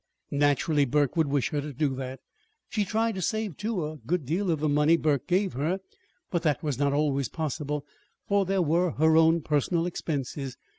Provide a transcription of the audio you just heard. Naturally Burke would wish her to do that. She tried to save, too, a good deal of the money Burke gave her; but that was not always possible, for there were her own personal expenses.